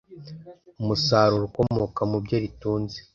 umusaruro ukomoka mu byo ritunze